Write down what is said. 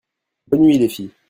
Bonne nuit, les filles.